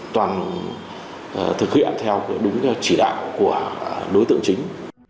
toàn thực hiện theo đúng chỉ đạo của đối tượng chính